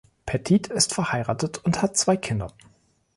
Pettit ist verheiratet und hat zwei Kinder.